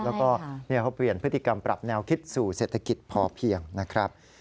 แล้วก็เขาเปลี่ยนพฤติกรรมปรับแนวคิดสู่เศรษฐกิจพอเพียงนะครับ